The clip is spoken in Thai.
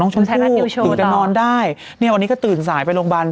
น้องชมพู่ตื่นแต่นอนได้วันนี้ก็ตื่นสายไปโรงพยาบาล